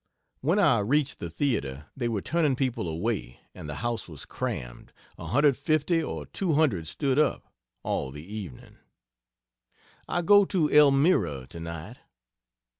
When I reached the theatre they were turning people away and the house was crammed, 150 or 200 stood up, all the evening. I go to Elmira tonight.